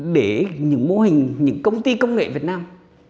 để những mô hình những công ty công nghệ việt nam